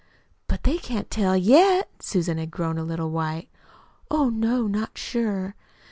"But they can't tell YET?" Susan had grown a little white. "Oh, no, not sure."